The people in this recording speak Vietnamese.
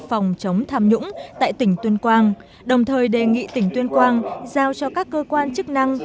phòng chống tham nhũng tại tỉnh tuyên quang đồng thời đề nghị tỉnh tuyên quang giao cho các cơ quan chức năng